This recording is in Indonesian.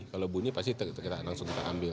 kalau bunyi pasti kita langsung kita ambil